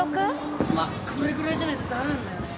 まっこれぐらいじゃないと駄目なんだよね。